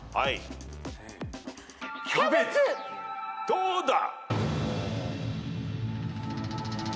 どうだ？